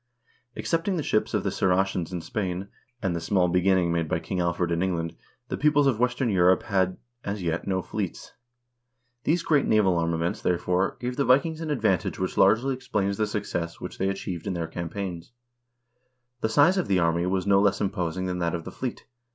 1 Excepting the ships of the Saracens in Spain, and the small begin ning made by King Alfred in England, the peoples of western Europe had as yet no fleets. These great naval armaments, therefore, gave 1 See Steenstrup, Normannerne, vol. I., p. 209 fT. 74 HISTORY OF THE NORWEGIAN PEOPLE the Vikings an advantage which largely explains the success which they achieved in their campaigns. The size of the army was no less imposing than that of the fleet.